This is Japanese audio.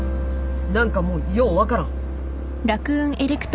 何かもうよう分からん。